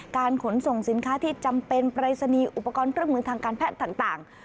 ขนส่งสินค้าที่จำเป็นปรายศนีย์อุปกรณ์เครื่องมือทางการแพทย์ต่าง